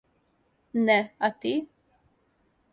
Не а ти?